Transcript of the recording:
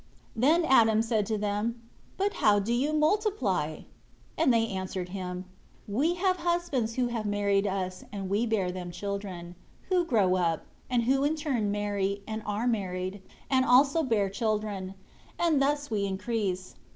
5 Then Adam said to them, "But how do you multiply?" 6 And they answered him, "We have husbands who have married us, and we bear them children, who grow up, and who in their turn marry and are married, and also bear children; and thus we increase.